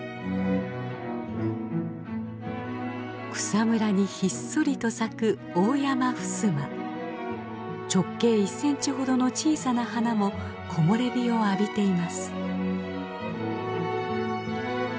草むらにひっそりと咲く直径１センチほどの小さな花も木漏れ日を浴びています。